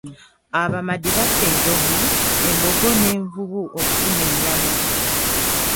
Abamadi batta enjovu, embogo n'envubu okufuna ennyama.